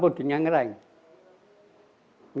koreka disandarkan pada pohon